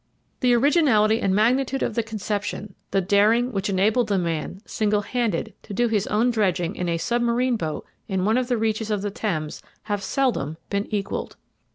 The originality and magnitude of the conception, the daring which enabled the man, single handed, to do his own dredging in a submarine boat in one of the reaches of the Thames have seldom been equalled.